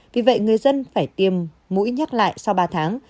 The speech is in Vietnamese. vì vậy người dân phải tiêm mũi nhắc lại sau ba tháng